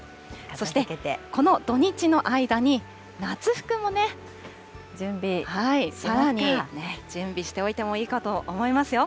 そして、この土日の間に、夏服もね、準備しておいてもいいかと思いますよ。